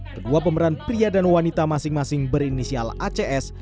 kedua pemeran pria dan wanita masing masing berinisial acs